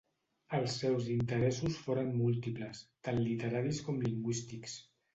Els seus interessos foren múltiples, tant literaris com lingüístics.